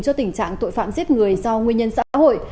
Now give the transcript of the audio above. cho tình trạng tội phạm giết người do nguyên nhân xã hội